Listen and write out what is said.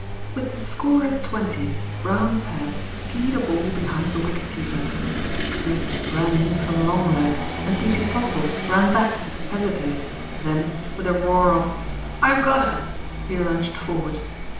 With the score at twenty, Brown Pad skied a ball behind the wicket keeper. Smith ran in from long leg, and P.C. Postle ran back, hesitated, then, with a roar of "I've got her," he lurched forward.